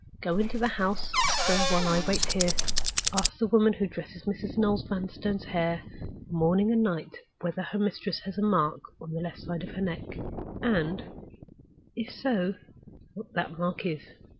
Go into the house, sir, while I wait here. Ask the woman who dresses Mrs. Noel Vanstone's hair morning and night whether her mistress has a mark on the left side of her neck, and (if so) what that mark is?"